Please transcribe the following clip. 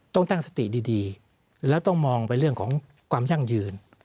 ต้องตั้งสติดีแล้วต้องมองไปเรื่องของความยั่งยืน